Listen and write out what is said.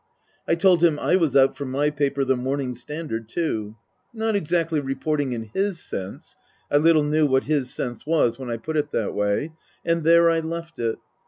I told him I was out for my paper, the Morning Standard, too. Not exactly reporting, in his sense (I little knew what his sense was when I put it that way) ; and there I left it.